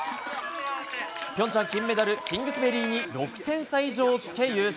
平昌、金メダルキングスベリーに６点差以上をつけ優勝。